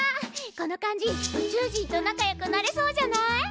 この感じ宇宙人と仲よくなれそうじゃない？